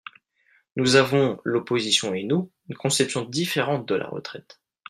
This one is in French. Nous avons, l’opposition et nous, une conception différente de la retraite.